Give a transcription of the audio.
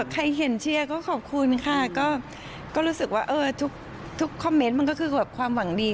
ใครเห็นเชียร์ก็ขอบคุณค่ะก็รู้สึกว่าทุกคอมเมนต์มันก็คือแบบความหวังดี